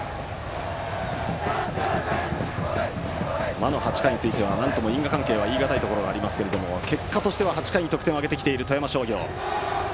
魔の８回については、なんとも因果関係は言いがたいんですが結果としては８回に得点を挙げてきている富山商業。